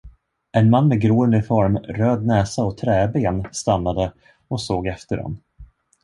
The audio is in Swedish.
En man med grå uniform, röd näsa och träben stannade och såg efter dem.